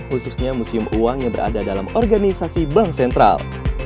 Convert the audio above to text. khususnya museum uang yang berada dalam organisasi bank sentral